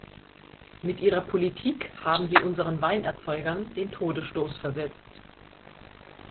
Mit Ihrer Politik haben Sie unseren Weinerzeugern den Todesstoß versetzt.